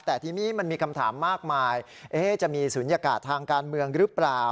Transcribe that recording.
แต่ทีนี้มันมีคำถามมากมายจะมีศูนยากาศทางการเมืองหรือเปล่า